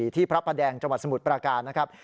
พระประแดงจังหวัดสมุทรปราการนะครับ